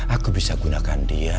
aku bisa gunakan dia